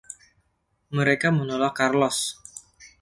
Mereka menolak Carlos!